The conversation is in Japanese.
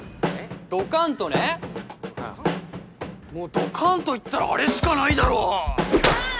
ドカンとねもうドカンといったらあれしかないだろパン！